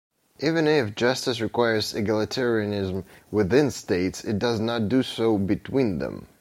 Even if justice requires egalitarianism within states, it does not do so between them.